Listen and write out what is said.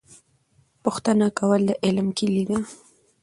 پوښتنه کول د علم کیلي ده.